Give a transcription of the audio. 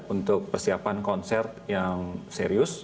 untuk persiapan konser yang serius